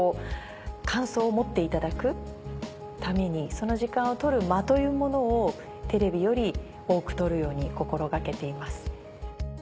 感想を持っていただくためにその時間を取る間というものをテレビより多く取るように心掛けています。